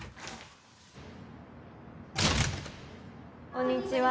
こんにちは。